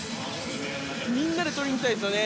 みんなでとりにいきたいですね